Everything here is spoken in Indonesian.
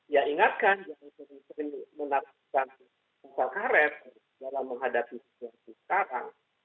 ya ingatkan jangan sering sering menarikkan pasal karet dalam menghadapi situasi sekarang